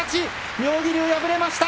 妙義龍、敗れました。